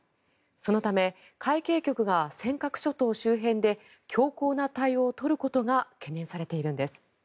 そのため海警局が尖閣諸島周辺で強硬な対応を取ることが懸念されているんです。